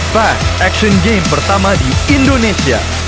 five action game pertama di indonesia